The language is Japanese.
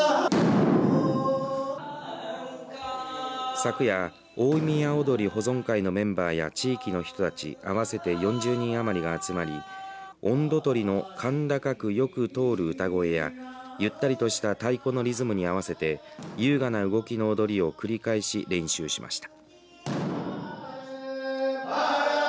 昨夜大宮踊保存会のメンバーや地域の人たち合わせて４０人余りが集まり音頭取りの甲高くよく通る歌声やゆったりとした太鼓のリズムに合わせて優雅な動きの踊りを繰り返し練習しました。